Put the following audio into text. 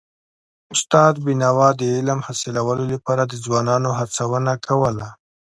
استاد بينوا د علم حاصلولو لپاره د ځوانانو هڅونه کوله.